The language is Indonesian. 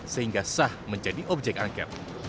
sehingga sah menjadi objek angket